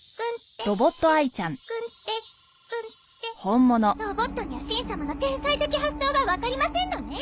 ロボットにはしん様の天才的発想がわかりませんのね。